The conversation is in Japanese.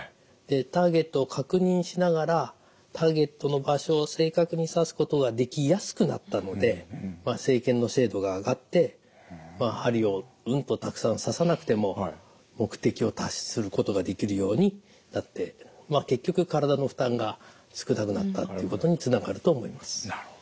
ターゲットを確認しながらターゲットの場所を正確に刺すことができやすくなったので生検の精度が上がって針をうんとたくさん刺さなくても目的を達成することができるようになって結局体の負担が少なくなったということにつながると思います。